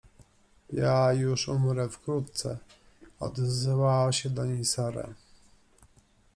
— Ja już umrę wkrótce… — odezwała się do niej Sara.